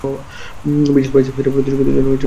বিশাল বাইসেপের প্রতিযোগীতার জন্য প্রশিক্ষণ নিচ্ছো?